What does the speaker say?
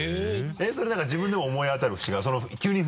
それ何か自分でも思い当たる節がある？